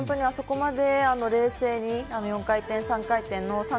あそこまで冷静に４回転、３回転。